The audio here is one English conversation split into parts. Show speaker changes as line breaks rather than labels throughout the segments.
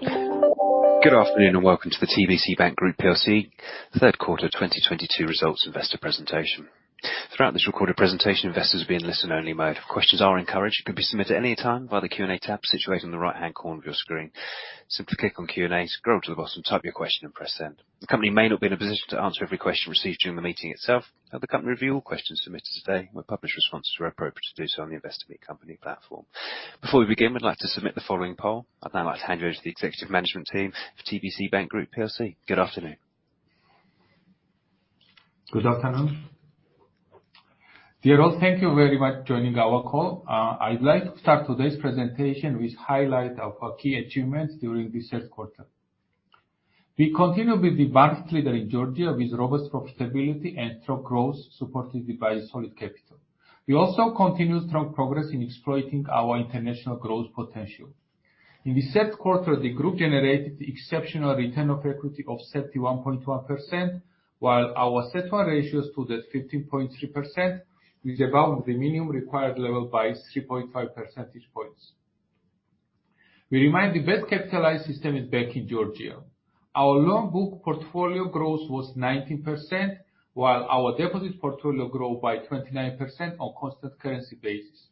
Good afternoon, and welcome to the TBC Bank Group PLC third quarter 2022 Results Investor Presentation. Throughout this recorded presentation, investors will be in listen only mode. Questions are encouraged, and can be submitted any time via the Q&A tab situated in the right-hand corner of your screen. Simply click on Q&A, scroll to the bottom, type your question, and press send. The company may not be in a position to answer every question received during the meeting itself, but the company review all questions submitted today will publish responses where appropriate to do so on the Investor Meet Company platform. Before we begin, we'd like to submit the following poll. I'd now like to hand you over to the executive management team for TBC Bank Group PLC. Good afternoon.
Good afternoon. Dear all, thank you very much joining our call. I'd like to start today's presentation with highlight of our key achievements during this third quarter. We continue with the market leader in Georgia with robust profitability and strong growth, supported by solid capital. We also continue strong progress in exploiting our international growth potential. In this third quarter, the group generated exceptional return on equity of 31.1%, while our CET1 ratios stood at 15.3%, which above the minimum required level by 3.5 percentage points. We remain the best capitalized system in Bank of Georgia. Our loan book portfolio growth was 19%, while our deposit portfolio grow by 29% on constant currency basis.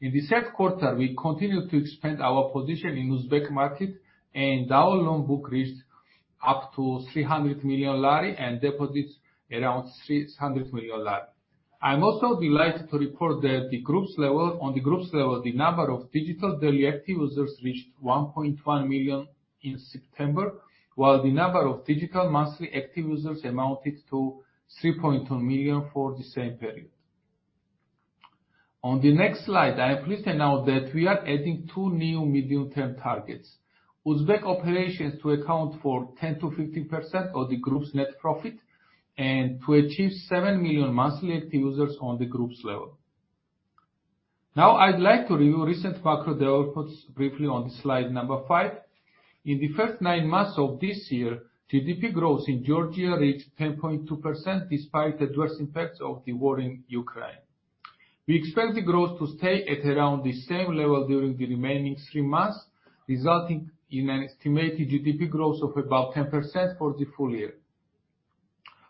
In the third quarter, we continued to expand our position in Uzbek market, and our loan book reached up to GEL 300 million and deposits around GEL 300 million. I'm also delighted to report. On the group's level, the number of digital daily active users reached 1.1 million in September, while the number of digital monthly active users amounted to 3.2 million for the same period. On the next slide, I am pleased to note that we are adding two new medium-term targets. Uzbek operations to account for 10%-15% of the group's net profit, and to achieve seven million monthly active users on the group's level. Now I'd like to review recent macro developments briefly on slide number five. In the first nine months of this year, GDP growth in Georgia reached 10.2% despite adverse impacts of the war in Ukraine. We expect the growth to stay at around the same level during the remaining three months, resulting in an estimated GDP growth of about 10% for the full year.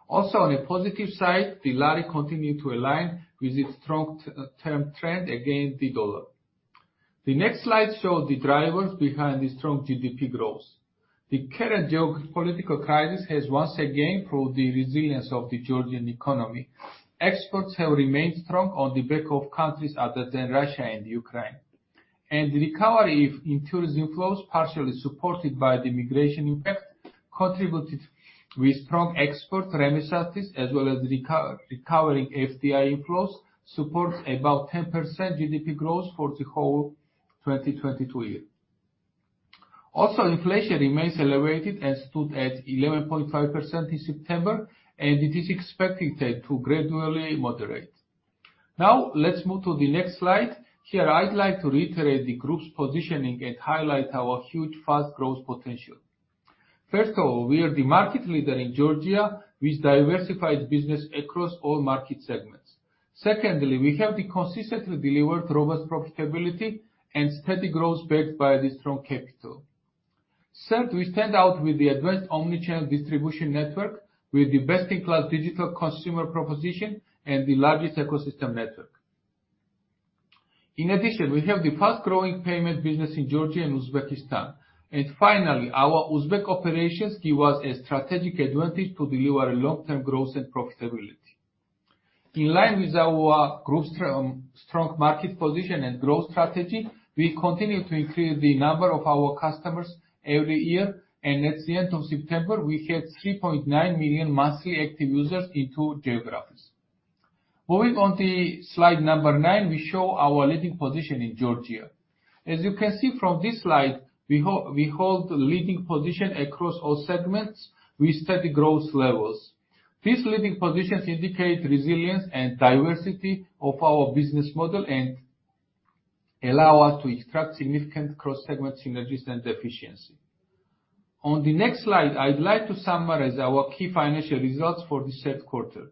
Also, on a positive side, the lari continued to align with its strong long-term trend against the dollar. The next slide shows the drivers behind the strong GDP growth. The current geopolitical crisis has once again proved the resilience of the Georgian economy. Exports have remained strong on the back of countries other than Russia and Ukraine. The recovery of tourism flows, partially supported by the immigration impact, contributed with strong export remittances, as well as recovering FDI inflows, supports above 10% GDP growth for the whole 2022 year. Also, inflation remains elevated and stood at 11.5% in September, and it is expected to gradually moderate. Now, let's move to the next slide. Here I'd like to reiterate the group's positioning and highlight our huge, fast growth potential. First of all, we are the market leader in Georgia, with diversified business across all market segments. Secondly, we have consistently delivered robust profitability and steady growth backed by the strong capital. Third, we stand out with the advanced omnichannel distribution network, with the best-in-class digital consumer proposition and the largest ecosystem network. In addition, we have the fast growing payment business in Georgia and Uzbekistan. Finally, our Uzbek operations give us a strategic advantage to deliver long-term growth and profitability. In line with our group strong market position and growth strategy, we continue to increase the number of our customers every year, and at the end of September, we had 3.9 million monthly active users in two geographies. Moving on to slide number nine, we show our leading position in Georgia. As you can see from this slide, we hold the leading position across all segments with steady growth levels. These leading positions indicate resilience and diversity of our business model, and allow us to extract significant cross-segment synergies and efficiency. On the next slide, I'd like to summarize our key financial results for this third quarter.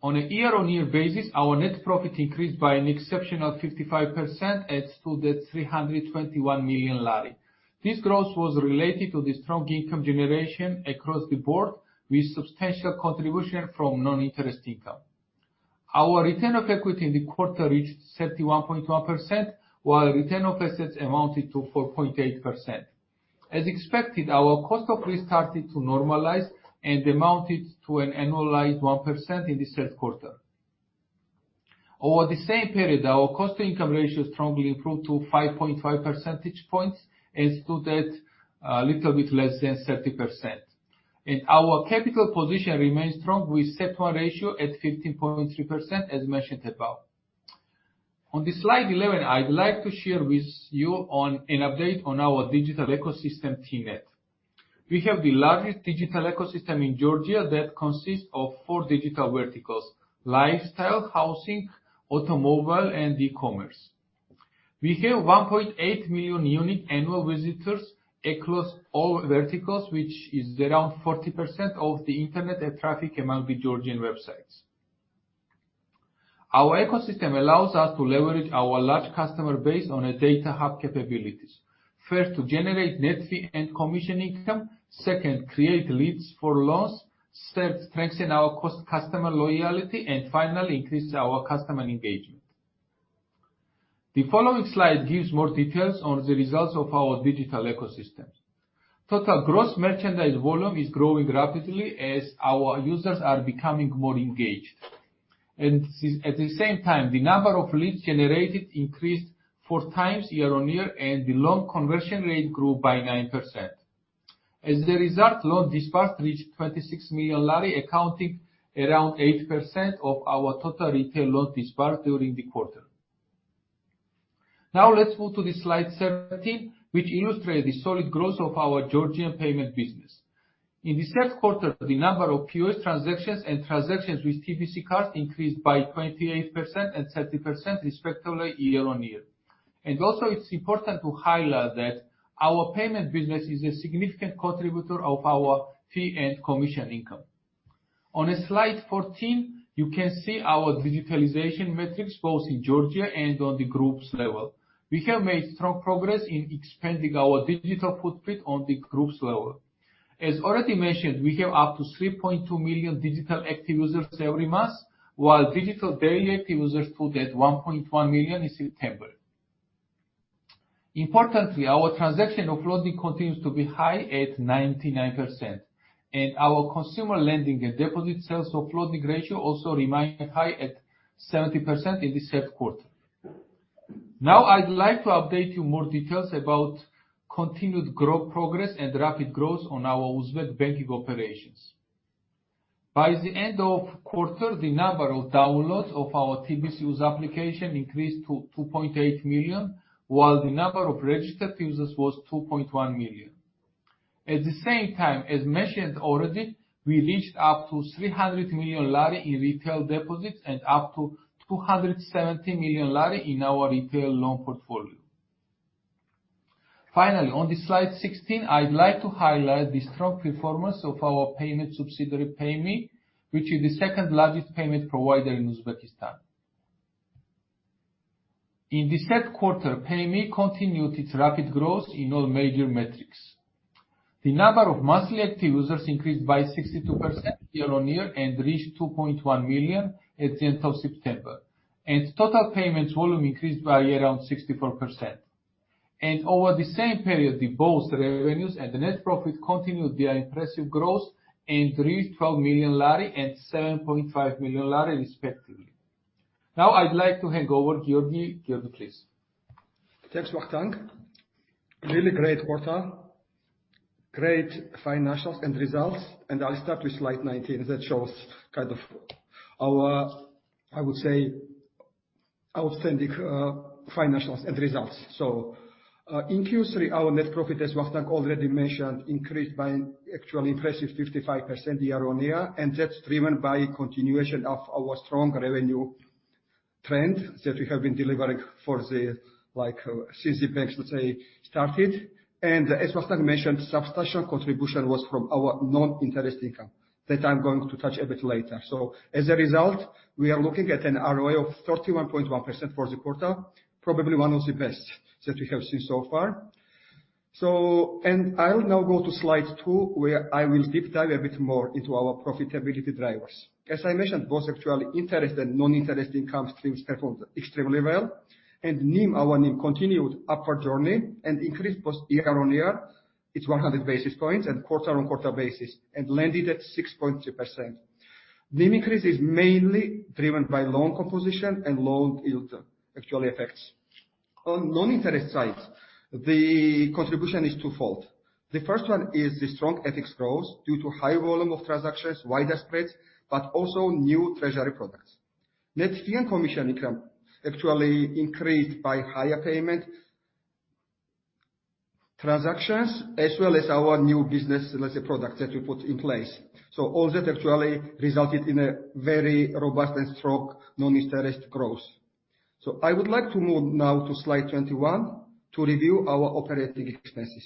On a year-on-year basis, our net profit increased by an exceptional 55% and stood at GEL 321 million. This growth was related to the strong income generation across the board with substantial contribution from non-interest income. Our return of equity in the quarter reached 31.1%, while return of assets amounted to 4.8%. As expected, our cost of risk started to normalize and amounted to an annualized 1% in this third quarter. Over the same period, our cost-to-income ratio strongly improved to 5.5 percentage points and stood at a little bit less than 30%. Our capital position remains strong, with CET1 ratio at 15.3% as mentioned above. On the slide 11, I'd like to share with you on an update on our digital ecosystem, TNET. We have the largest digital ecosystem in Georgia that consists of four digital verticals, lifestyle, housing, automobile, and e-commerce. We have 1.8 million unique annual visitors across all verticals, which is around 40% of the internet traffic among the Georgian websites. Our ecosystem allows us to leverage our large customer base on a data hub capabilities. First, to generate net fee and commission income. Second, create leads for loans. Third, strengthen our customer loyalty. Finally, increase our customer engagement. The following slide gives more details on the results of our digital ecosystem. Total gross merchandise volume is growing rapidly as our users are becoming more engaged. At the same time, the number of leads generated increased four times year-on-year, and the loan conversion rate grew by 9%. As a result, loans disbursed reached GEL 26 million, accounting around 8% of our total retail loans disbursed during the quarter. Now let's move to slide 17, which illustrates the solid growth of our Georgian payment business. In the third quarter, the number of POS transactions and transactions with TBC cards increased by 28% and 30% respectively year-on-year. It's important to highlight that our payment business is a significant contributor of our fee and commission income. On slide 14, you can see our digitalization metrics both in Georgia and on the group's level. We have made strong progress in expanding our digital footprint on the group's level. As already mentioned, we have up to 3.2 million digital active users every month, while digital daily active users stood at 1.1 million in September. Importantly, our transaction offloading continues to be high at 99%, and our consumer lending and deposit sales offloading ratio also remained high at 70% in the third quarter. Now I'd like to update you more details about continued growth progress and rapid growth on our Uzbek banking operations. By the end of quarter, the number of downloads of our TBC Uz application increased to 2.8 million, while the number of registered users was 2.1 million. At the same time, as mentioned already, we reached up to GEL 300 million in retail deposits and up to GEL 270 million in our retail loan portfolio. Finally, on the slide 16, I'd like to highlight the strong performance of our payment subsidiary, Payme, which is the second largest payment provider in Uzbekistan. In the third quarter, Payme continued its rapid growth in all major metrics. The number of monthly active users increased by 62% year-on-year and reached 2.1 million at the end of September. Total payments volume increased by around 64%. Over the same period, both revenues and net profit continued their impressive growth and reached GEL 12 million and GEL 7.5 million respectively. Now I'd like to hand over to Giorgi. Giorgi, please.
Thanks, Vakhtang. Really great quarter. Great financials and results. I'll start with slide 19 that shows kind of our, I would say, outstanding financials and results. In Q3, our net profit, as Vakhtang already mentioned, increased by an actually impressive 55% year-on-year, and that's driven by continuation of our strong revenue trend that we have been delivering for the, like, since the bank, let's say, started. As Vakhtang mentioned, substantial contribution was from our non-interest income that I'm going to touch a bit later. As a result, we are looking at an ROI of 31.1% for the quarter, probably one of the best that we have seen so far. I'll now go to slide two, where I will deep dive a bit more into our profitability drivers. As I mentioned, both actually interest and non-interest income streams performed extremely well. NIM, our NIM continued upward journey and increased both year-on-year, it's 100 basis points, and quarter-on-quarter basis, and landed at 6.2%. NIM increase is mainly driven by loan composition and loan yield actually affects. On non-interest sides, the contribution is twofold. The first one is the strong FX growth due to high volume of transactions, wider spreads, but also new treasury products. Net fee and commission income actually increased by higher payment transactions, as well as our new business, let's say, products that we put in place. All that actually resulted in a very robust and strong non-interest growth. I would like to move now to slide 21 to review our operating expenses.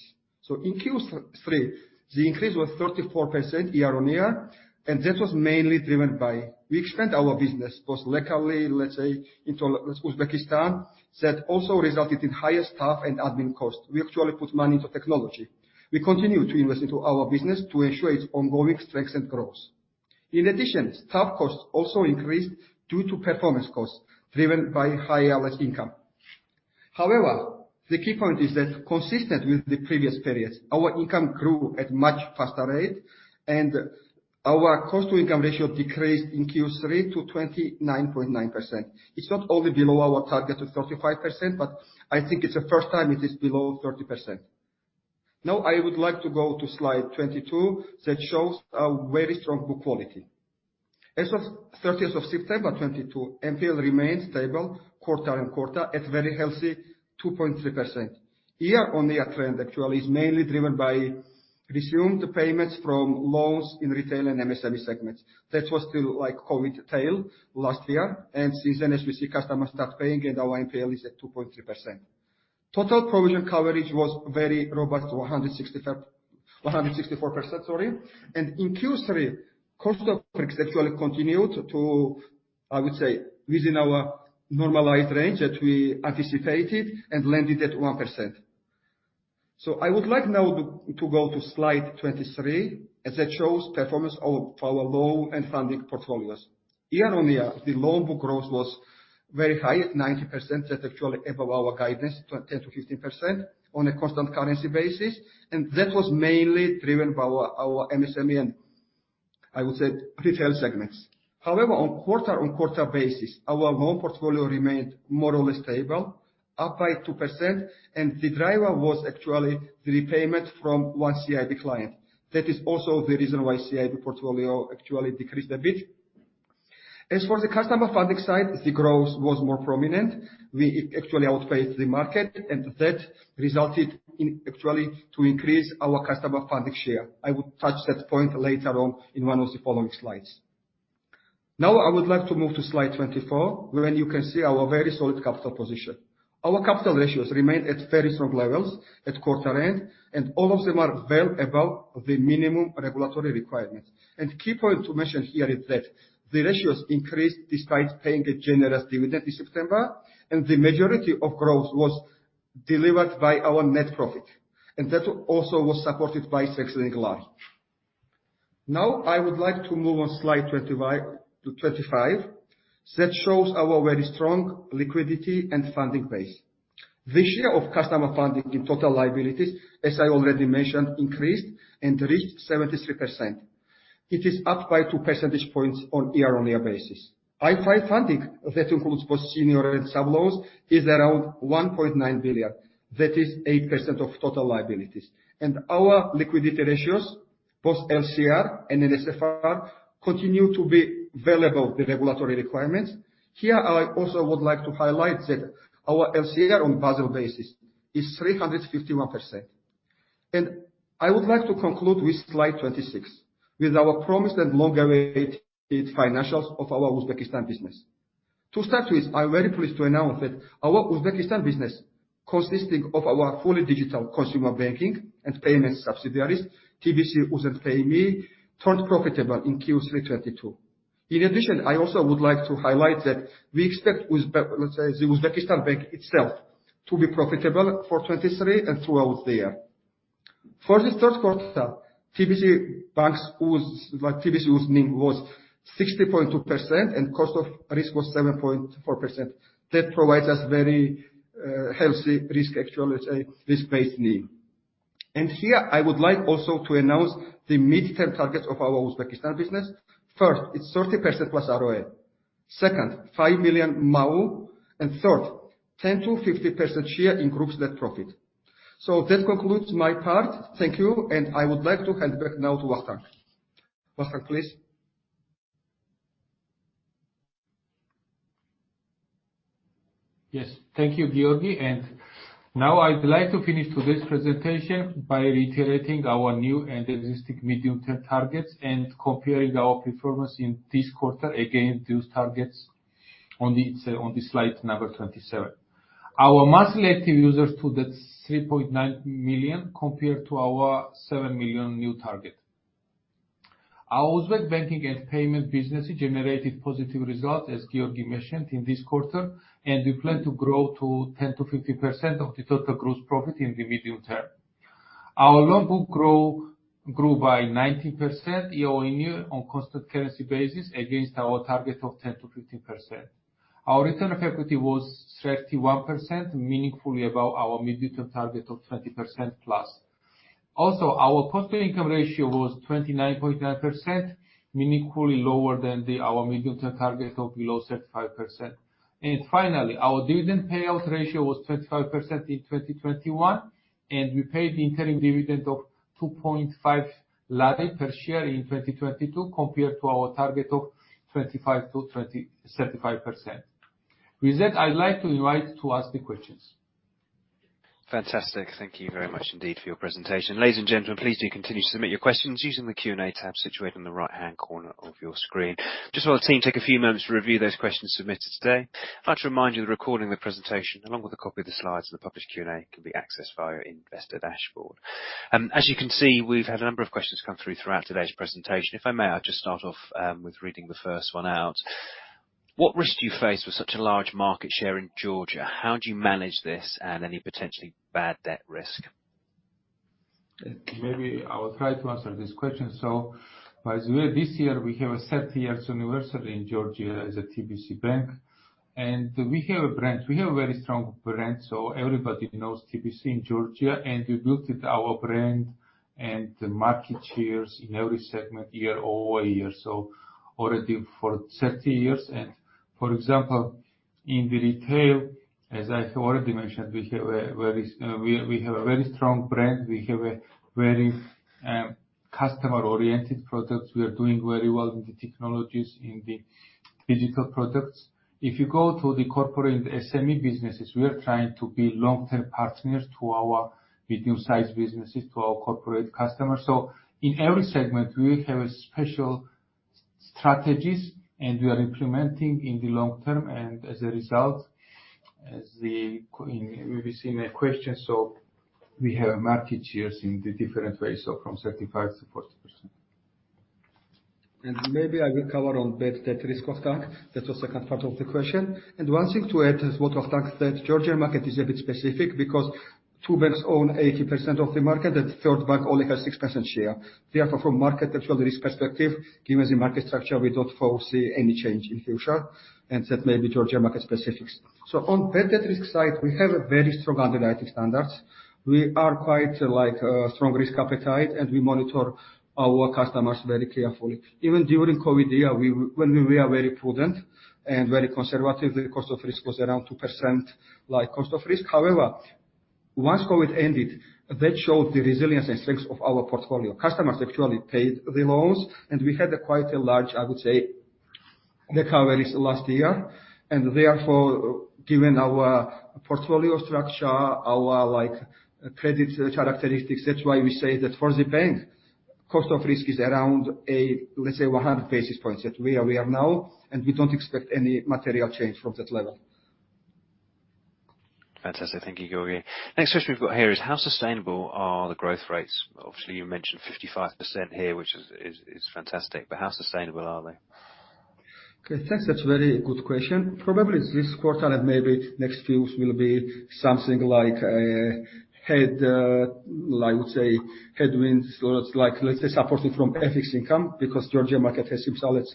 In Q3, the increase was 34% year-on-year, and that was mainly driven by expansion of our business both locally, let's say, into Uzbekistan, that also resulted in higher staff and admin costs. We actually put money into technology. We continue to invest into our business to ensure its ongoing strength and growth. In addition, staff costs also increased due to performance costs driven by higher listed income. However, the key point is that consistent with the previous periods, our income grew at much faster rate and our cost-to-income ratio decreased in Q3 to 29.9%. It's not only below our target of 35%, but I think it's the first time it is below 30%. Now I would like to go to slide 22 that shows our very strong book quality. As of 30th of September 2022, NPL remained stable quarter-on-quarter at very healthy 2.3%. Year-on-year trend actually is mainly driven by resumed payments from loans in retail and MSME segments. That was still like COVID tail last year. Since then, as we see customers start paying and our NPL is at 2.3%. Total provision coverage was very robust, 164%, sorry. In Q3, cost of risk actually continued to, I would say, within our normalized range that we anticipated and landed at 1%. I would like now to go to slide 23, as that shows performance of our loan and funding portfolios. Year-on-year, the loan book growth was very high at 90%. That's actually above our guidance, 10%-15% on a constant currency basis. That was mainly driven by our MSME and, I would say, retail segments. However, on quarter-on-quarter basis, our loan portfolio remained more or less stable, up by 2%, and the driver was actually the repayment from one CIB client. That is also the reason why CIB portfolio actually decreased a bit. As for the customer funding side, the growth was more prominent. We actually outpaced the market, and that resulted in actually to increase our customer funding share. I will touch that point later on in one of the following slides. Now I would like to move to slide 24, where you can see our very solid capital position. Our capital ratios remain at very strong levels at quarter-end, and all of them are well above the minimum regulatory requirements. Key point to mention here is that the ratios increased despite paying a generous dividend in September, and the majority of growth was delivered by our net profit. That also was supported by strong lari. Now I would like to move on slide 25. That shows our very strong liquidity and funding base. The share of customer funding in total liabilities, as I already mentioned, increased and reached 73%. It is up by two percentage points on year-on-year basis. IFI funding, that includes both senior and sub loans, is around GEL 1.9 billion. That is 8% of total liabilities. Our liquidity ratios, both LCR and NSFR, continue to be well above the regulatory requirements. Here, I also would like to highlight that our LCR on Basel basis is 351%. I would like to conclude with slide 26, with our promised and long-awaited financials of our Uzbekistan business. To start with, I'm very pleased to announce that our Uzbekistan business, consisting of our fully digital consumer banking and payments subsidiaries, TBC Uz and Payme, turned profitable in Q3 2022. In addition, I also would like to highlight that we expect let's say, the Uzbekistan bank itself to be profitable for 2023 and throughout the year. For the third quarter, TBC Bank's Uz, like TBC Uz NIM was 60.2% and cost of risk was 7.4%. That provides us very, healthy risk actually, let's say, risk-based NIM. Here, I would like also to announce the midterm targets of our Uzbekistan business. First, it's 30%+ ROE. Second, 5 million MAU. And third, 10%-50% share in group net profit. That concludes my part. Thank you. I would like to hand back now to Vakhtang. Vakhtang, please.
Yes. Thank you, Giorgi. Now I'd like to finish today's presentation by reiterating our new and existing medium-term targets and comparing our performance in this quarter against those targets on the slide number 27. Our monthly active users stood at 3.9 million, compared to our seven million new target. Our Uzbek banking and payment businesses generated positive results, as Giorgi mentioned, in this quarter, and we plan to grow to 10%-15% of the total group's profit in the medium-term. Our loan book grew by 19% year-on-year on constant currency basis against our target of 10%-15%. Our return on equity was 31%, meaningfully above our medium-term target of 20%+. Also, our cost-to-income ratio was 29.9%, meaningfully lower than our medium-term target of below 35%. Finally, our dividend payout ratio was 25% in 2021, and we paid interim dividend of GEL 2.5 per share in 2022 compared to our target of 25%-35%. With that, I'd like to invite to ask the questions.
Fantastic. Thank you very much indeed for your presentation. Ladies and gentlemen, please do continue to submit your questions using the Q&A tab situated in the right-hand corner of your screen. Just while the team take a few moments to review those questions submitted today, I'd like to remind you the recording of the presentation along with a copy of the slides and the published Q&A can be accessed via Investor Dashboard. As you can see, we've had a number of questions come through throughout today's presentation. If I may, I'll just start off with reading the first one out. What risk do you face with such a large market share in Georgia? How do you manage this and any potentially bad debt risk?
Maybe I will try to answer this question. By the way, this year we have a 30 years anniversary in Georgia as a TBC Bank. We have a brand. We have a very strong brand, so everybody knows TBC in Georgia, and we built it, our brand, and the market shares in every segment year-over-year, so already for 30 years. For example, in the retail, as I have already mentioned, we have a very strong brand. We have a very customer-oriented products. We are doing very well in the technologies, in the digital products. If you go to the corporate and SME businesses, we are trying to be long-term partners to our medium-sized businesses, to our corporate customers. In every segment, we have a special
Strategies we are implementing in the long-term, and as a result, as we've seen expansion, we have market shares in the different ways from 35%-40%. Maybe I will cover on bad debt risk, Vakhtang. That's the second part of the question. One thing to add, what Vakhtang said, the Georgian market is a bit specific because two banks own 80% of the market, and third bank only has 6% share. Therefore, from market actual risk perspective, given the market structure, we don't foresee any change in future. That may be the Georgian market specifics. On bad debt risk side, we have very strong underwriting standards. We are quite, like, strong risk appetite, and we monitor our customers very carefully. Even during COVID year, we, when we were very prudent and very conservative, the cost of risk was around 2%, like cost of risk. However, once COVID ended, that showed the resilience and strength of our portfolio. Customers actually paid the loans, and we had quite a large, I would say, recoveries last year. Therefore, given our portfolio structure, our like credit characteristics, that's why we say that for the bank, cost of risk is around, let's say 100 basis points that we are now, and we don't expect any material change from that level.
Fantastic. Thank you, Giorgi. Next question we've got here is how sustainable are the growth rates? Obviously, you mentioned 55% here, which is fantastic, but how sustainable are they?
Okay, thanks. That's a very good question. Probably this quarter and maybe next few will be something like a head, I would say headwinds, or it's like, let's say, supported by FX income because Georgia market has some solid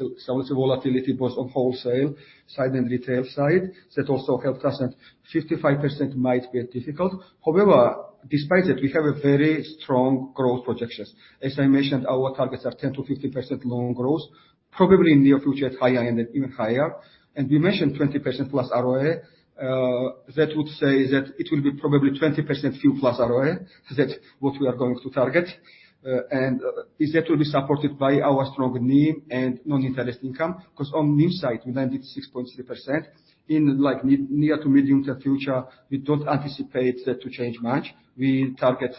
volatility, both on wholesale side and retail side. That also helped us, and 55% might be difficult. However, despite that, we have very strong growth projections. As I mentioned, our targets are 10%-15% loan growth, probably in near future, at higher end, even higher. We mentioned 20%+ ROE. That would say that it will be probably 20% plus ROE. That's what we are going to target. And it will be supported by our strong NIM and non-interest income. Because on NIM side, we landed 6.3%. In the near to medium-term future, we don't anticipate that to change much. We target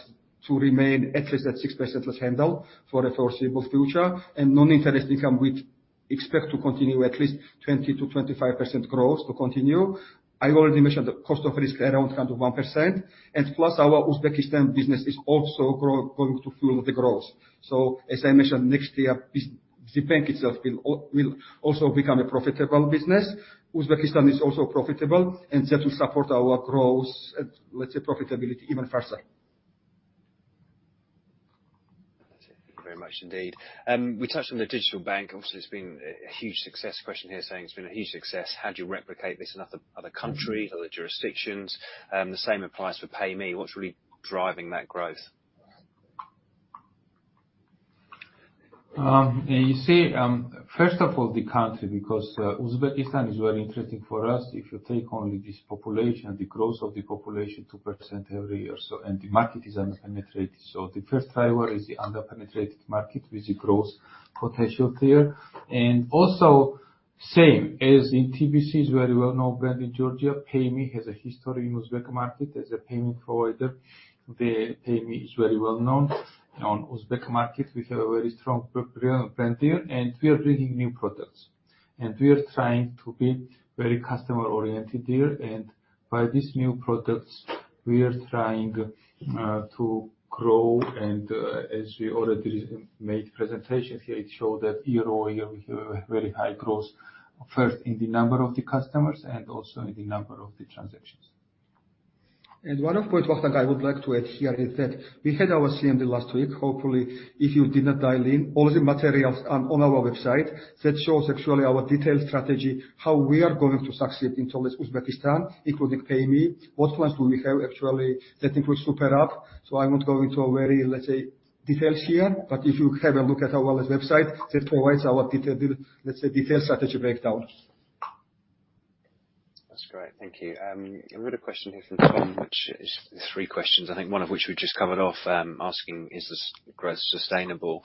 to remain at least at 6% plus handle for the foreseeable future. Non-interest income, we expect to continue at least 20%-25% growth to continue. I already mentioned the cost of risk around 1%. Plus our Uzbekistan business is also going to fuel the growth. As I mentioned, next year the bank itself will also become a profitable business. Uzbekistan is also profitable, and that will support our growth and let's say profitability even further.
Thank you very much indeed. We touched on the digital bank. Obviously, it's been a huge success. Question here saying it's been a huge success. How do you replicate this in other country, other jurisdictions? The same applies for Payme. What's really driving that growth?
You see, first of all, the country, because Uzbekistan is very interesting for us, if you take only this population, the growth of the population, 2% every year, and the market is under-penetrated. The first driver is the under-penetrated market with the growth potential there. Also same as in TBC's very well-known brand in Georgia, Payme has a history in Uzbek market as a payment provider. Payme is very well-known on Uzbek market. We have a very strong brand there, and we are bringing new products. We are trying to be very customer-oriented there. By these new products, we are trying to grow. As we already made presentations here, it showed that year-over-year, we have very high growth, first in the number of the customers and also in the number of the transactions.
One other point, Vakhtang, I would like to add here is that we had our CMD last week. Hopefully, if you did not dial in, all the materials are on our website. That shows actually our detailed strategy, how we are going to succeed in Uzbekistan, including Payme. What plans do we have actually that it will scale up. I'm not going to a very, let's say, details here, but if you have a look at our website, that provides our detailed, let's say, strategy breakdown.
That's great. Thank you. I've got a question here from Tom, which is three questions, I think one of which we just covered off, asking, is this growth sustainable?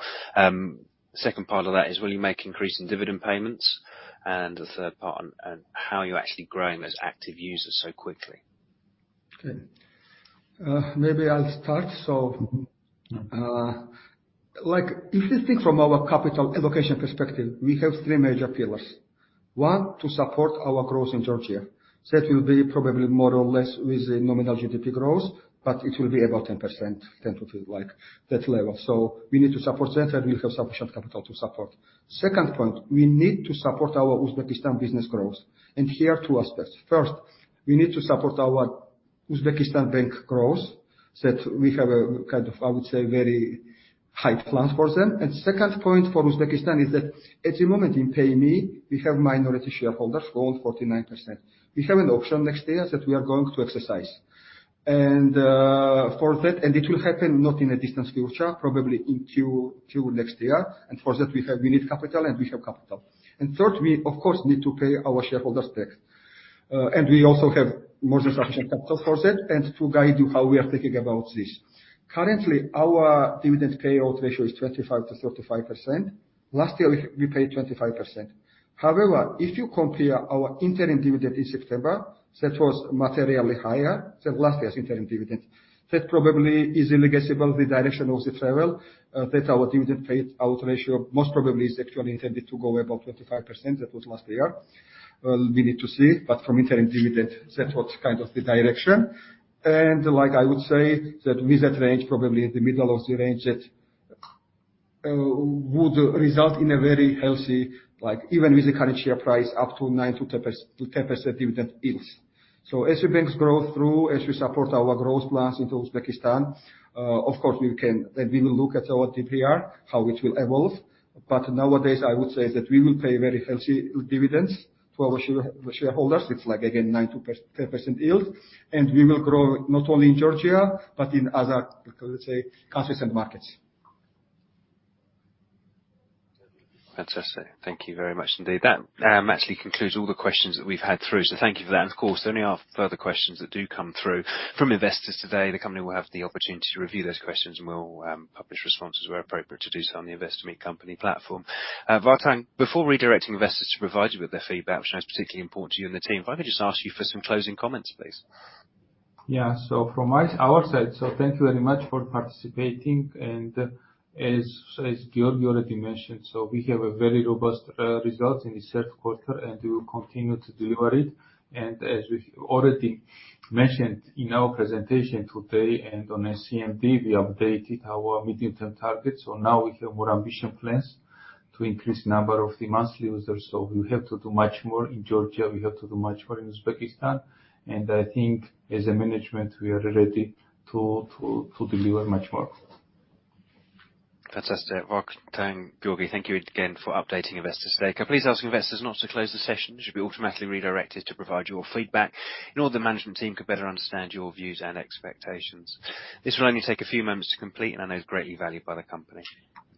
Second part of that is, will you make increase in dividend payments? The third part, how are you actually growing those active users so quickly?
Okay. Maybe I'll start. Like if you think from our capital allocation perspective, we have three major pillars. One, to support our growth in Georgia. That will be probably more or less with the nominal GDP growth, but it will be about 10%, 10 to like that level. We need to support that, and we have sufficient capital to support. Second point, we need to support our Uzbekistan business growth. Here are two aspects. First, we need to support our Uzbekistan bank growth, that we have a kind of, I would say, very high plans for them. Second point for Uzbekistan is that at the moment in Payme, we have minority shareholders who own 49%. We have an option next year that we are going to exercise. For that. It will happen not in the distant future, probably in Q1 next year. For that, we need capital, and we have capital. Third, we of course need to pay our shareholders back. We also have more than sufficient capital for that and to guide you how we are thinking about this. Currently, our dividend payout ratio is 25%-35%. Last year, we paid 25%. However, if you compare our interim dividend in September, that was materially higher than last year's interim dividend. That probably is indicative of the direction of the travel, that our dividend payout ratio most probably is actually intended to go above 25%, that was last year. We need to see, but from interim dividend, that was kind of the direction. Like I would say, that with that range, probably the middle of the range that would result in a very healthy, like even with the current share price up to 9%-10% dividend yields. As the banks grow through, as we support our growth plans into Uzbekistan, of course, then we will look at our DPR, how it will evolve. But nowadays, I would say that we will pay very healthy dividends to our shareholders. It's like again, 9%-10% yield. We will grow not only in Georgia, but in other, let's say, countries and markets.
Fantastic. Thank you very much indeed. That actually concludes all the questions that we've had through. Thank you for that. Of course, any other further questions that do come through from investors today, the company will have the opportunity to review those questions, and we'll publish responses where appropriate to do so on the Investor Meet Company platform. Vakhtang, before redirecting investors to provide you with their feedback, which I know is particularly important to you and the team, if I could just ask you for some closing comments, please.
Yeah. From our side, thank you very much for participating and as Giorgi already mentioned, we have a very robust result in the third quarter, and we will continue to deliver it. As we already mentioned in our presentation today and on CMB, we updated our midterm targets. Now we have more ambitious plans to increase number of the monthly users. We have to do much more in Georgia, we have to do much more in Uzbekistan. I think as a management, we are ready to deliver much more.
Fantastic. Vakhtang, Giorgi, thank you again for updating investors today. Can I please ask investors now to close the session? You should be automatically redirected to provide your feedback in order the management team can better understand your views and expectations. This will only take a few moments to complete and I know is greatly valued by the company.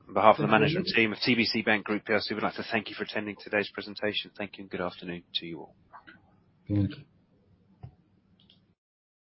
On behalf of the management team of TBC Bank Group PLC, we'd like to thank you for attending today's presentation. Thank you and good afternoon to you all.
Thank you.